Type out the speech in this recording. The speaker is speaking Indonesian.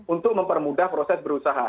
untuk mempermudah proses berusaha